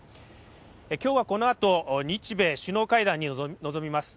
今日はこのあと、日米首脳会談に臨みます。